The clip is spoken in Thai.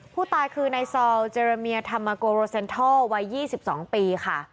ผู้ตายคือในซอลเจรมเมียธรรมโกโรเซนทัลวัยยี่สิบสองปีค่ะ